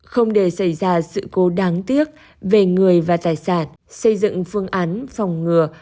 không để xảy ra sự cố đáng tiếc về người và tài sản xây dựng phương án phòng ngừa